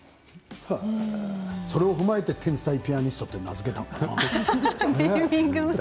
それを踏まえて天才ピアニストって名付けたんかな？